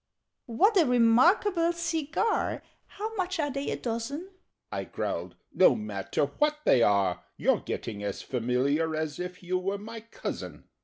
"What a re markable cigar! How much are they a dozen?" I growled "No matter what they are! You're getting as familiar As if you were my cousin!